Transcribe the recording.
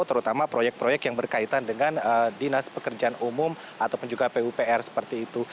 terutama proyek proyek yang berkaitan dengan dinas pekerjaan umum ataupun juga pupr seperti itu